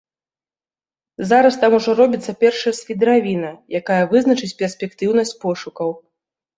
Зараз там ужо робіцца першая свідравіна, якая вызначыць перспектыўнасць пошукаў.